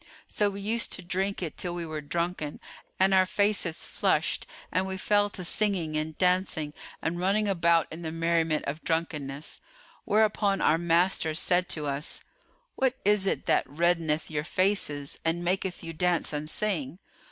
So we used to drink it till we were drunken and our faces flushed and we fell to singing and dancing and running about in the merriment of drunkenness;[FN#437] whereupon our masters said to us, 'What is it that reddeneth your faces and maketh you dance and sing?